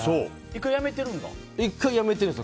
１回辞めてるんだ。